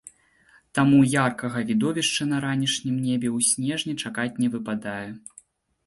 Таму яркага відовішча на ранішнім небе ў снежні чакаць не выпадае.